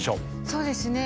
そうですね